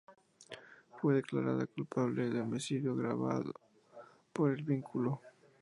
Fue declarada culpable de homicidio agravado por el vínculo.